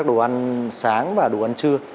các đồ ăn sáng và đồ ăn trưa